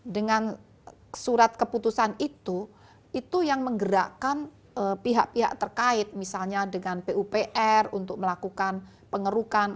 dengan surat keputusan itu itu yang menggerakkan pihak pihak terkait misalnya dengan pupr untuk melakukan pengerukan